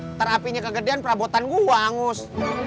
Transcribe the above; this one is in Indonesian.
ntar apinya kegedean perabotan gua wangus